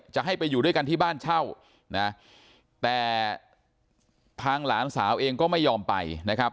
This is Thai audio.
จะให้ไปอยู่ด้วยกันที่บ้านเช่านะแต่ทางหลานสาวเองก็ไม่ยอมไปนะครับ